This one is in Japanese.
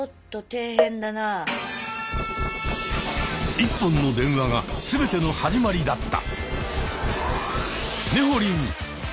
１本の電話が全ての始まりだった。